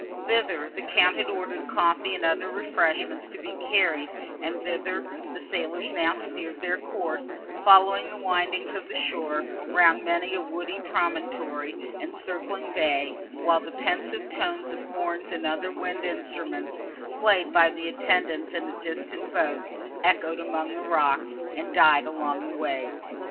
Thither, the Count had ordered coffee and other refreshment to be carried, and thither the sailors now steered their course, following the windings of the shore round many a woody promontory and circling bay; while the pensive tones of horns and other wind instruments, played by the attendants in a distant boat, echoed among the rocks, and died along the waves.